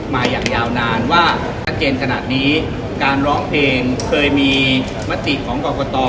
มาอย่างยาวนานว่าชัดเจนขนาดนี้การร้องเพลงเคยมีมติของกรกต